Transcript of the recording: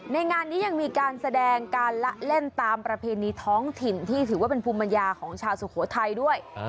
งานนี้ยังมีการแสดงการละเล่นตามประเพณีท้องถิ่นที่ถือว่าเป็นภูมิปัญญาของชาวสุโขทัยด้วย